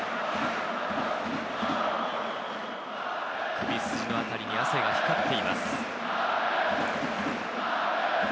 首筋の辺りに汗が光っています。